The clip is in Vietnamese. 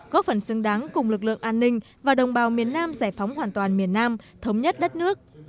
góp phần xứng đáng cùng lực lượng an ninh và đồng bào miền nam giải phóng hoàn toàn miền nam thống nhất đất nước